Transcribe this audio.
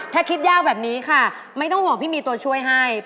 ถ้าคิดยากแบบนี้ค่ะไม่ต้องห่วงพี่มีตัวช่วยให้